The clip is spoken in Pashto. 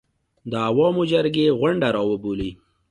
د عوامو جرګې غونډه راوبولي